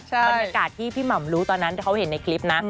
บรรยากาศที่พี่หม่ำรู้ตอนนั้นที่เขาเห็นในคลิปนะ